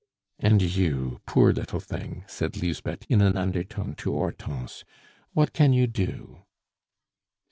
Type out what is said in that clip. "And you, poor little thing!" said Lisbeth in an undertone to Hortense, "what can you do?"